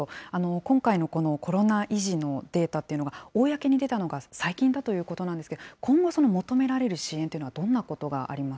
今回のこのコロナ遺児のデータというのが、公に出たのが最近だということなんですけど、今後求められる支援というのは、どんなこ